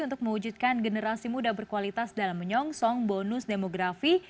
untuk mewujudkan generasi muda berkualitas dalam menyongsong bonus demografi